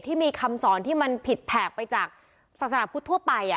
ที่มีคำสอนที่มันผิดแผกไปจากศาสนาพุทธทั่วไป